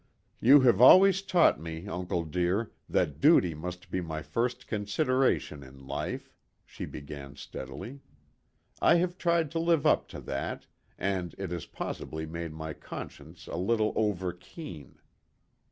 "You have always taught me, uncle dear, that duty must be my first consideration in life," she began steadily. "I have tried to live up to that, and it has possibly made my conscience a little over keen."